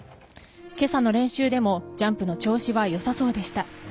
今朝の練習でもジャンプの調子はよさそうでした。